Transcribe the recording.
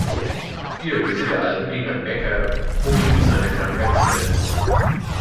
Die Erlöse der Alben gingen an Becker, um ihm mit seiner Krankheit zu helfen.